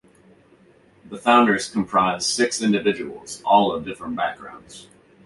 The founders comprised six individuals, all of different backgrounds.